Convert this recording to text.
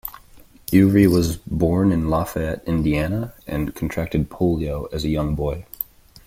Ewry was born in Lafayette, Indiana, and contracted polio as a young boy.